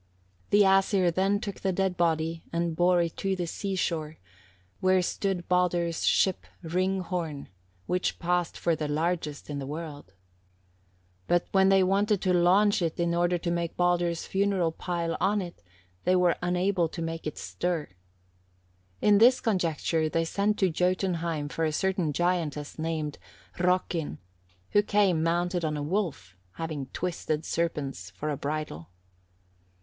59. "The Æsir then took the dead body and bore it to the seashore, where stood Baldur's ship Hringhorn, which passed for the largest in the world. But when they wanted to launch it in order to make Baldur's funeral pile on it, they were unable to make it stir. In this conjuncture they sent to Jotunheim for a certain giantess named Hyrrokin, who came mounted on a wolf, having twisted serpents for a bridle.